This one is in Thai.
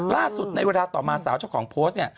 ล่าสุดในเวลาต่อมาสาวเจ้าของโพสต์